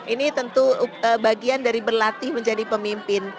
ini tentu bagian dari berlatih menjadi pemimpin